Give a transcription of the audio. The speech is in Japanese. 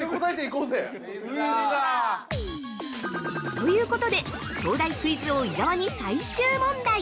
◆ということで、東大クイズ王・伊沢に最終問題！